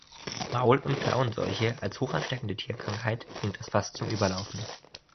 Maul- und Klauenseuche als hochansteckende Tierkrankheit bringt das Fass zum Überlaufen.